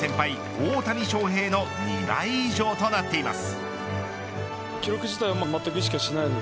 大谷翔平の２倍以上となっています。